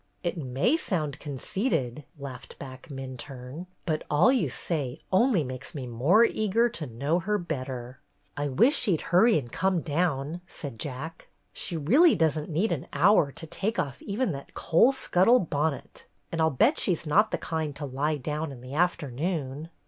"It may sound conceited," laughed back Minturne, "but all you say only makes me more eager to know her better." "I wish she 'd hurry and come down," said Jack. "She really doesn't need an hour to take off even that coal scuttle bonnet, and I 'll bet she 's not the kind to lie down in the afternoon."